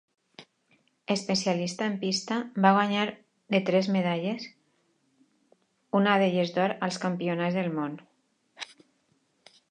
Especialista en pista, va guanyar de tres medalles, una d'elles d'or als Campionats del Món.